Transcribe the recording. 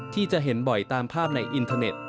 ที่จะเห็นบ่อยตามภาพในอินเทอร์เน็ต